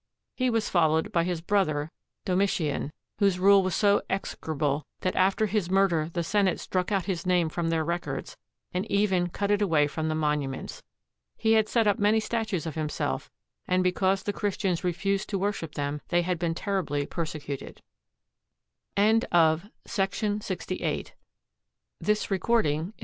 He was followed by his brother Domitian, whose rule was so execrable that after his murder the Senate struck out his name from their records, and even cut it away from the monuments. He had set up many statues of himself, and because the Christians refused to worship them, they had been terribly persecuted. THE FALL OF SEJANUS [27 A.D.] BY S. BARING GOULD [In a.d.